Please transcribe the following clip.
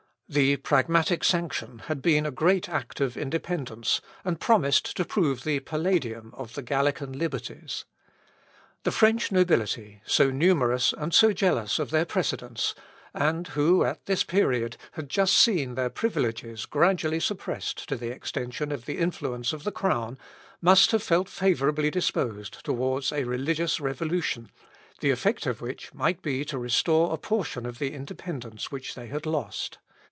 The pragmatic sanction had been a great act of independence, and promised to prove the palladium of the Gallican liberties. The French nobility, so numerous and so jealous of their precedence, and who, at this period, had just seen their privileges gradually suppressed to the extension of the influence of the crown, must have felt favourably disposed towards a religious revolution, the effect of which might be to restore a portion of the independence which they had lost.